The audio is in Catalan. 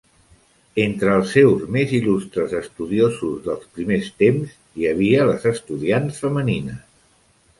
Entre els seus més il·lustres estudiosos dels primers temps hi havia les estudiants femenines.